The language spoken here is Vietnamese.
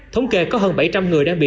thống kê có hơn bảy trăm linh người đang bị